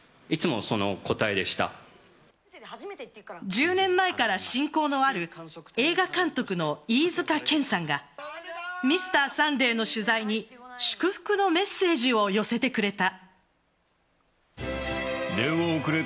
１０年前から親交のある映画監督の飯塚健さんが「Ｍｒ．サンデー」の取材に祝福のメッセージを寄せてくれた。